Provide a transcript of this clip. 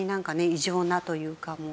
異常なというかもう。